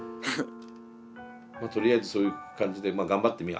まあとりあえずそういう感じでまあ頑張ってみ？